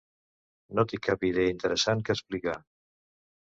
No té cap idea interessant que explicar.